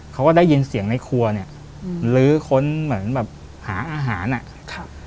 เขาก็ได้ยินเสียงในครัวเนี่ยลื้อค้นเหมือนแบบหาอาหารอ่ะครับ